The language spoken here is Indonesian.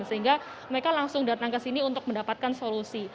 sehingga mereka langsung datang ke sini untuk mendapatkan solusi